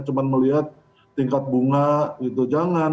cuma melihat tingkat bunga gitu jangan